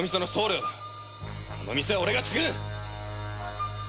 この店はオレが継ぐ。